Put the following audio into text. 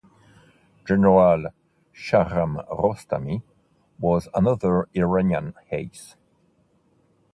General Shahram Rostami was another Iranian ace.